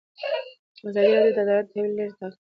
ازادي راډیو د عدالت د تحول لړۍ تعقیب کړې.